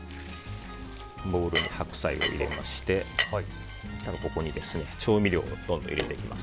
ボウルに白菜を入れましてここに調味料を入れていきます。